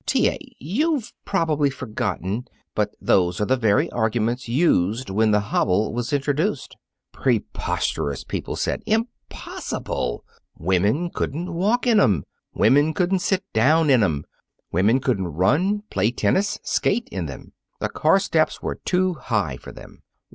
"T. A., you've probably forgotten, but those are the very arguments used when the hobble was introduced. Preposterous, people said impossible! Women couldn't walk in 'em. Wouldn't, couldn't sit down in 'em. Women couldn't run, play tennis, skate in them. The car steps were too high for them.